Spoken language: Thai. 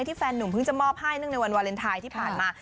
แฟนหนุ่มเพิ่งจะมอบให้เนื่องในวันวาเลนไทยที่ผ่านมา